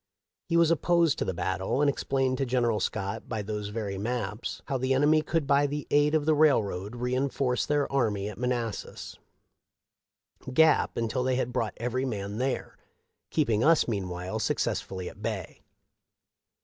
He was opposed to the battle, and explained to General Scott by those very maps how the enemy could by the aid of the railroad re inforce their army at Manassas Gap until they had brought every man there, keeping us meanwhile suc cessfully at bay.